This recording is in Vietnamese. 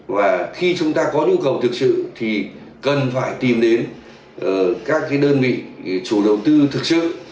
và khi chúng ta có nhu cầu thực sự thì cần phải tìm đến các đơn vị chủ đầu tư thực sự